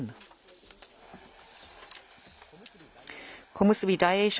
小結・大栄翔。